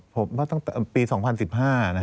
อ๋อผมว่าตั้งแต่ปี๒๐๑๕นะครับ